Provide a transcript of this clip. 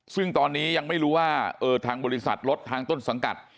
ซึ่งตอนนี้ยังไม่รู้ว่าทางบริษัทรถทางต้นสังกัด